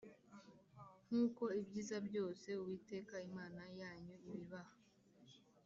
Nk uko ibyiza byose Uwiteka Imana yanyu ibibaha